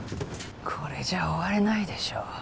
これじゃ終われないでしょ。